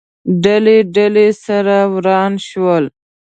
ډلې، ډلې، سره وران شول